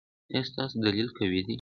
ایا ستاسو دلیل قوي دی؟